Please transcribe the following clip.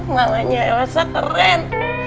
namanya elsa keren